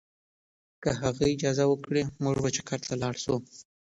که هغه اجازه ورکړي، موږ به چکر ته لاړ شو.